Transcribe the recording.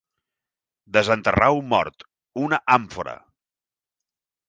Desenterrar un mort, una àmfora.